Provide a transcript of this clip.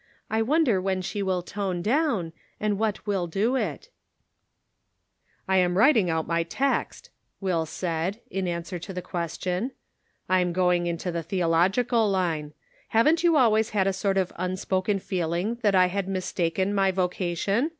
I wonder when she will tone down, and what will do it ?"" I am writing out my text," Will said, in answer to the question. " I'm going into the theological line. Haven't you always had a sort of unspoken feeling that I had mistaken my vocation